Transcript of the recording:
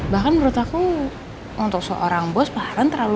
bahkan menurut aku untuk seorang bos pak hartawan terlalu baik